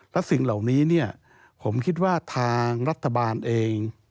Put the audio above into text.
และสิ่งเหล่านี้เนี่ยผมคิดว่าทางรัฐบาลเอง